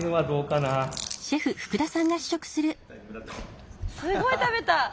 すごい食べた！